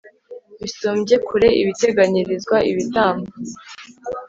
bisumbye kure ibiteganyirizwa ibitambo